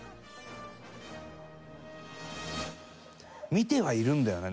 見てはいるんだよね